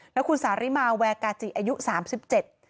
แล้วคุณสาริมาแวกาจิอายุสามสิบเจ็ด